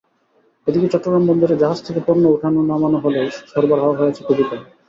এদিকে চট্টগ্রাম বন্দরে জাহাজ থেকে পণ্য ওঠানো-নামানো হলেও সরবরাহ হয়েছে খুবই কম।